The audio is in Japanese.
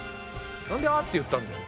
なんで「あっ！」って言ったんだよ？